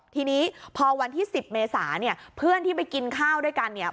ทีนี้พอวันที่๑๐เมษาเนี่ยเพื่อนที่ไปกินข้าวด้วยกันเนี่ย